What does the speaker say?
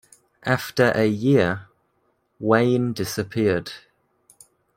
After a year, Wayne disappeared.